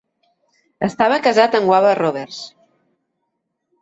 Estava casat amb Wava Roberts.